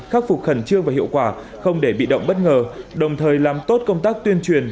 khắc phục khẩn trương và hiệu quả không để bị động bất ngờ đồng thời làm tốt công tác tuyên truyền